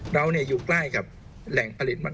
เราอยู่ใกล้กับแหล่งผลิตมัน